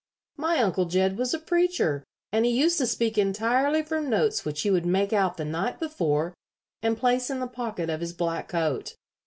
"My Uncle Jed was a preacher, and he used to speak entirely from notes which he would make out the night before and place in the pocket of his black coat.